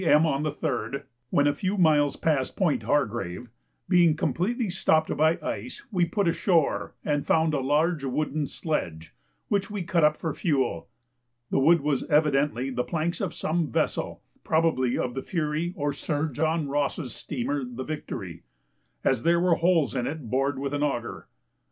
M. on the 3rd, when a few miles past Point Hargrave, being completely stopped by ice, we put ashore and found a large wooden sledge, which we cut up for fuel. The wood was evidently the planks of some vessel (probably of the Fury or Sir John Ross's steamer the Victory) as there were holes in it bored with an auger.